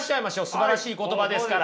すばらしい言葉ですから。